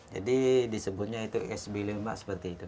jadi disebutnya itu sb lima seperti itu